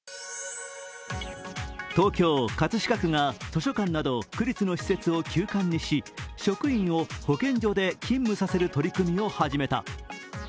東京・葛飾区が図書館など区立の施設を休館にし職員を保健所で勤務させる取り組みを始めた。